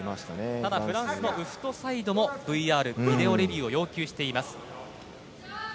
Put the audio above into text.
ただフランスのウフトサイドもＶＲ・ビデオレビューを要求しています。